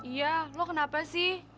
iya lo kenapa sih